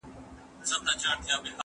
زه به سبا سبزېجات تياروم وم.